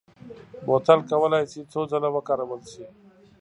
بوتل کولای شي څو ځله وکارول شي.